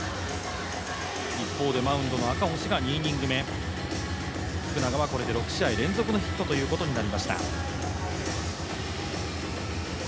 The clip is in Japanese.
一方でマウンドの赤星が２イニングめ、福永はこれで６試合連続のヒットということになりました。